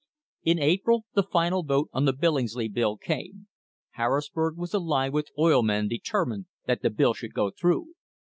In April the final vote on the Billingsley Bill came. Har risburg was alive with oil men determined that the bill should go through.